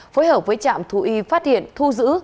phối hợp với trạm thu y phát hiện thu giữ